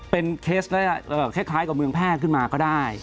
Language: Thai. เป็นเคสคล้ายกับเมืองแพร่ขึ้นมาก็ได้